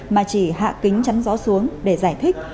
mà chỉ hạ kính chắn gió xuống để giải thích